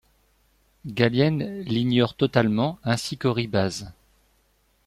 Galien l'ignore totalement, ainsi qu'Oribase.